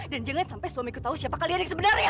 dan jangan sampai suamiku tahu siapa kalian yang sebenarnya